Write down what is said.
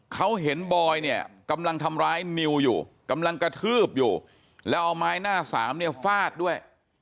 เขาเห็นบอยเนี่ยกำลังทำร้ายนิวอยู่กำลังกระทืบอยู่แล้วเอาไม้หน้าสามเนี่ยฟาดด้วย